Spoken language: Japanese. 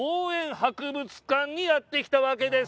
博物館にやって来たわけです。